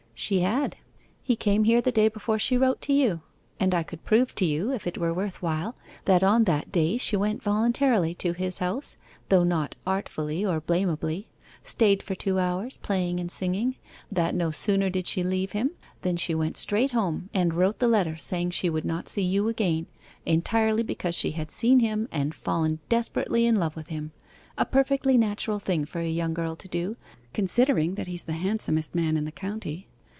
'She had; he came here the day before she wrote to you; and I could prove to you, if it were worth while, that on that day she went voluntarily to his house, though not artfully or blamably; stayed for two hours playing and singing; that no sooner did she leave him than she went straight home, and wrote the letter saying she should not see you again, entirely because she had seen him and fallen desperately in love with him a perfectly natural thing for a young girl to do, considering that he's the handsomest man in the county.